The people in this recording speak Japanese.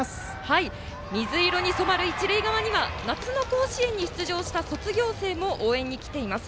水色に染まる一塁側には夏の甲子園に出場した卒業生も応援に来ています。